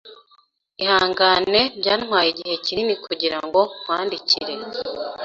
Ihangane byantwaye igihe kinini kugirango nkwandikire.